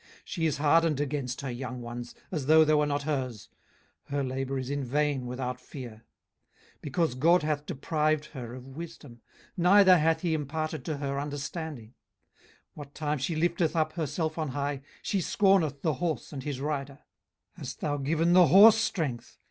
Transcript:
18:039:016 She is hardened against her young ones, as though they were not her's: her labour is in vain without fear; 18:039:017 Because God hath deprived her of wisdom, neither hath he imparted to her understanding. 18:039:018 What time she lifteth up herself on high, she scorneth the horse and his rider. 18:039:019 Hast thou given the horse strength?